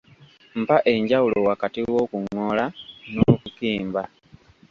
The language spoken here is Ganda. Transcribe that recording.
Mpa enjawulo wakati w’okuŋoola n’okukimba..